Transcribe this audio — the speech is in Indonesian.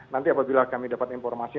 nanti apabila kami dapat informasi